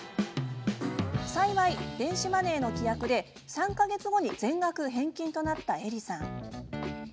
幸い、電子マネーの規約で３か月後に全額返金となったエリさん。